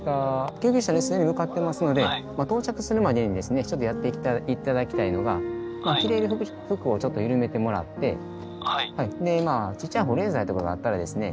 救急車ね既に向かってますので到着するまでにですねちょっとやって頂きたいのが着ている服をちょっと緩めてもらってでまあちっちゃい保冷剤とかがあったらですね